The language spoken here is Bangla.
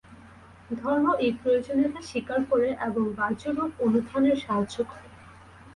ধর্ম এই প্রয়োজনীয়তা স্বীকার করে এবং বাহ্যরূপও অনুধ্যানের সাহায্য করে।